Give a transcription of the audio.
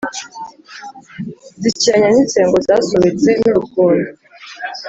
Zikiranya n'insengo Zasobetse n'urugunda.